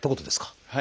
はい。